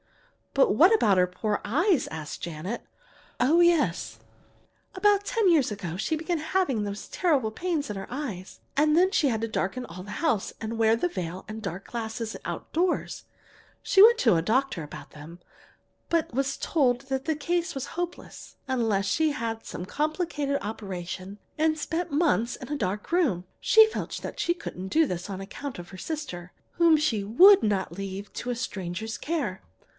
"But what about her poor eyes?" asked Janet. "Oh, yes! About ten years ago she began to have those terrible pains in her eyes, and then she had to darken all the house and wear the veil and dark glasses outdoors. She went to a doctor about them, but was told that the case was hopeless unless she had some complicated operation and spent months in a dark room. This she felt she couldn't do on account of her sister, whom she would not leave to a stranger's care.